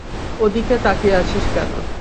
ওদিকে তাকিয়ে আছিস কেন?